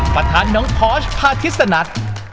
ประธานน้องพอสพาทิสนัท